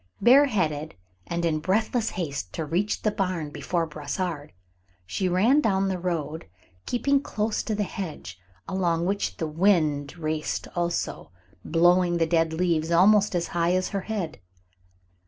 Bareheaded, and in breathless haste to reach the barn before Brossard, she ran down the road, keeping close to the hedge, along which the wind raced also, blowing the dead leaves almost as high as her head.